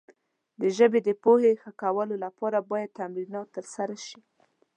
د ژبې د پوهې ښه کولو لپاره باید تمرینات ترسره شي.